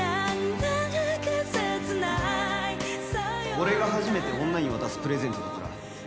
俺が初めて女に渡すプレゼントだから